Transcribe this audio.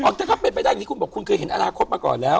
ออกครับเป็นไปได้ที่คุณบอกคุณเคยเห็นอนาคตมาก่อนแล้ว